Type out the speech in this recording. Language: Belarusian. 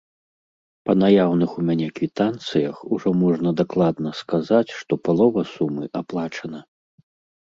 Па наяўных у мяне квітанцыях ужо можна дакладна сказаць, што палова сумы аплачана.